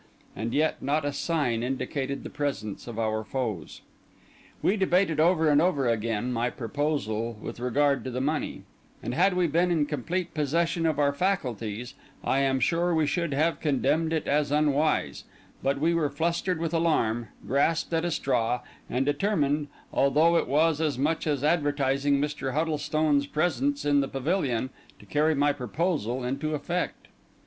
And yet not a sign indicated the presence of our foes. We debated over and over again my proposal with regard to the money; and had we been in complete possession of our faculties, I am sure we should have condemned it as unwise; but we were flustered with alarm, grasped at a straw, and determined, although it was as much as advertising Mr. Huddlestone's presence in the pavilion, to carry my proposal into effect.